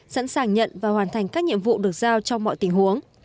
sẵn sàng nhận và hoàn thành các nhiệm vụ được giao trong mọi tình huống